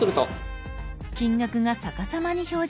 金額が逆さまに表示されます。